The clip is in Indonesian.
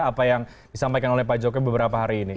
apa yang disampaikan oleh pak jokowi beberapa hari ini